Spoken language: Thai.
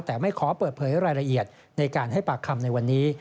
แต่ไม่ขอเปิดเผยรายละเอียดในการให้ปากคำในวันนี้